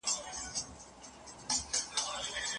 ښوونکی باید د ارواپوهني اساسات وپیژني.